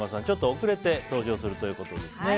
ちょっと遅れて登場するということです。